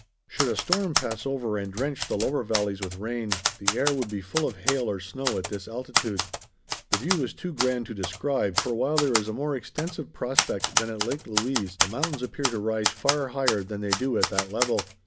Should a storm pass over and drench the lower valleys with rain, the air would be full of hail or snow at this altitude. The view is too grand to describe, for while there is a more extensive prospect than at Lake Louise the mountains appear to rise far higher than they do at that level.